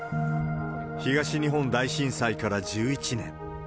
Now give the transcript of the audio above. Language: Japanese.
東日本大震災から１１年。